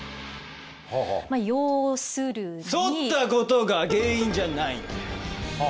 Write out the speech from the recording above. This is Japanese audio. そったことが原因じゃないんだよ。